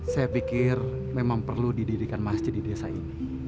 saya pikir memang perlu didirikan masjid di desa ini